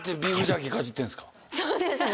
そうですね